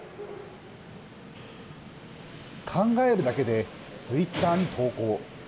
考えるだけでツイッターに投稿。